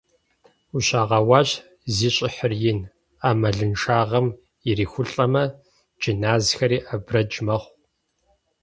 – Ущагъэуащ, зи щӀыхьыр ин, Ӏэмалыншагъэм ирихулӀэмэ, джыназхэри абрэдж мэхъу.